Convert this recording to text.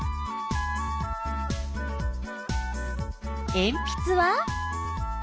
えんぴつは？